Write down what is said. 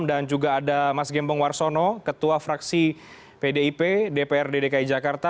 dan juga ada mas gembong warsono ketua fraksi pdip dprd dki jakarta